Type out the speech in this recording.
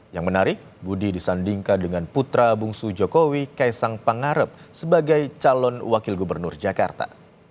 yang menarik budi disandingkan dengan putra bungsu jokowi kaisang pangarep sebagai calon wakil gubernur jakarta